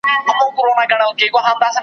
د لېوه بچی لېوه سي .